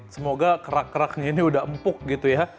semoga kerak keraknya ini udah empuk gitu ya